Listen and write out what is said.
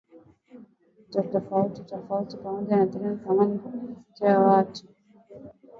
Wanajeshi tisa walioshtakiwa ni pamoja na lutein kanali na mameneja watatu.